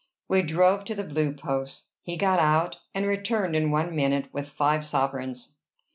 We drove to the Blue Posts. He got out, and returned in one minute with five sovereigns.